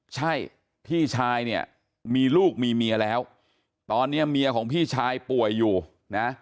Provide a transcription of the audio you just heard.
ใช่พี่ชายเนี่ยมีลูกมีเมียแล้วตอนนี้เมียของพี่ชายป่วยอยู่นะ